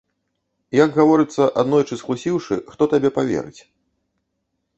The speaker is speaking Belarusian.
Як гаворыцца, аднойчы схлусіўшы, хто табе паверыць?